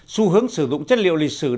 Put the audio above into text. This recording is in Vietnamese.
xu hướng sử dụng chất liệu lịch sử